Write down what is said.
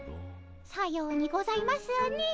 さようにございますねえ。